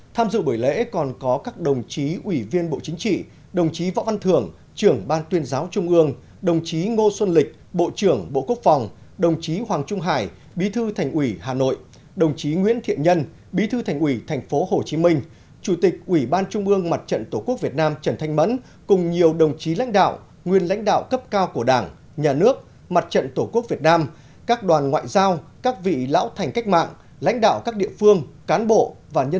tham dự buổi lễ còn có các đồng chí ủy viên bộ chính trị đồng chí võ văn thưởng trưởng ban tuyên giáo trung ương đồng chí ngô xuân lịch bộ trưởng bộ quốc phòng đồng chí hoàng trung hải bí thư thành ủy hà nội đồng chí nguyễn thiện nhân bí thư thành ủy thành phố hồ chí minh chủ tịch ủy ban trung ương mặt trận tổ quốc việt nam trần thanh mẫn cùng nhiều đồng chí lãnh đạo nguyên lãnh đạo cấp cao của đảng nhà nước mặt trận tổ quốc việt nam các đoàn ngoại giao các vị lão thành cách mạng lãnh đạo các địa